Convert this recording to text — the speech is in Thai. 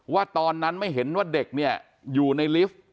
ว่าตอนนั้นไม่เห็นว่าเด็กเนี่ยอยู่ในลิฟต์